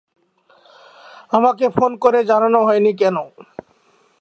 আমাকে ফোন করে জানানো হয়নি কেন?